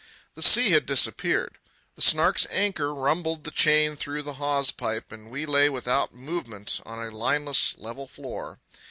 The sea had disappeared. The Snark's anchor rumbled the chain through the hawse pipe, and we lay without movement on a "lineless, level floor."